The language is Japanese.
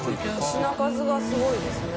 品数がすごいですね。